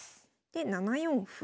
で７四歩。